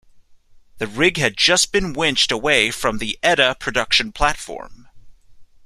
The rig had just been winched away from the "Edda" production platform.